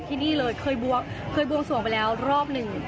ที่นี่เลยเคยบวงสวงไปแล้วรอบหนึ่ง